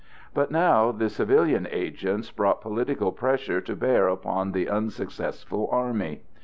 But now the civilian agents brought political pressure to bear upon the unsuccessful Army.